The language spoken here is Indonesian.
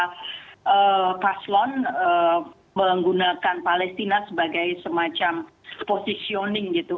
jadi paslon menggunakan palestina sebagai semacam positioning gitu